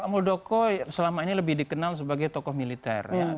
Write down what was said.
muldoko selama ini lebih dikenal sebagai tokoh militer